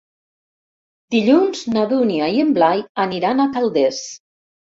Dilluns na Dúnia i en Blai aniran a Calders.